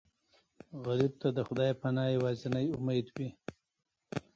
غریب ته د خدای پناه یوازینی امید وي